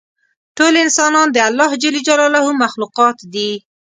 ټول انسانان د الله مخلوقات دي.